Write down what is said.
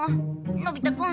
のび太くん！